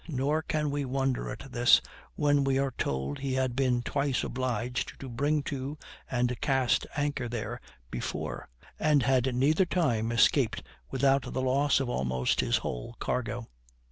Nor can we wonder at this when we are told he had been twice obliged to bring to and cast anchor there before, and had neither time escaped without the loss of almost his whole cargo.